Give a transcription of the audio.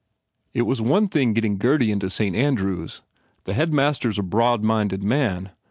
"It was one thing getting Gurdy into Saint Andrew s. The Headmaster s a broad minded man.